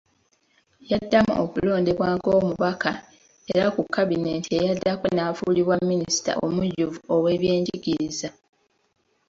Yaddamu okulondebwa ng’omubaka era ku kabineeti eyaddako n’afuulibwa Minisita omujjuvu ow’ebyenjigiriza.